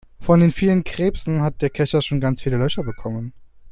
Von den vielen Krebsen hat der Kescher schon ganz viele Löcher bekommen.